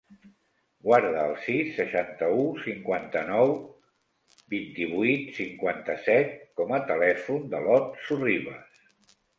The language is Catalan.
Guarda el sis, seixanta-u, cinquanta-nou, vint-i-vuit, cinquanta-set com a telèfon de l'Ot Sorribas.